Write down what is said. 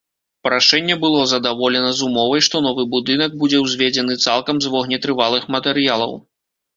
Прашэнне было задаволена з умовай, што новы будынак будзе ўзведзены цалкам з вогнетрывалых матэрыялаў.